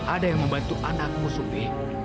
ada yang membantu anakmu sumbi